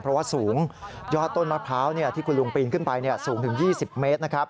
เพราะว่าสูงยอดต้นมะพร้าวที่คุณลุงปีนขึ้นไปสูงถึง๒๐เมตรนะครับ